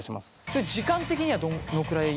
それ時間的にはどのくらい。